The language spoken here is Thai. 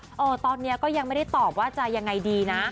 เออตอนนี้ก็ยังไม่ได้ตอบว่าจะยังไงดีนะ